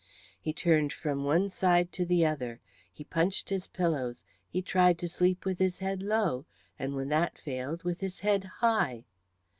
He turned from one side to the other, he punched his pillows, he tried to sleep with his head low, and when that failed with his head high.